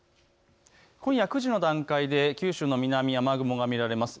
今夜９時の段階で九州の南に雨雲が見られます。